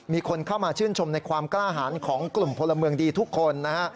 มีคนเข้ามาชื่นชมในความกล้าหารของกลุ่มพลเมืองดีทุกคนนะฮะ